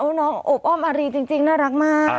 น้องโอบอ้อมอารีจริงน่ารักมาก